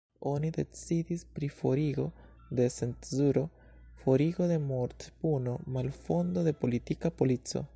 Oni decidis pri forigo de cenzuro, forigo de mortpuno, malfondo de politika polico.